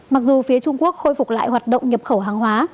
mặc dù phía trung quốc khôi phục lại hoạt động nhập khẩu hàng hóa